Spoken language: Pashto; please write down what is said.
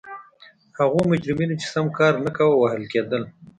هغو مجرمینو چې سم کار نه کاوه وهل کېدل.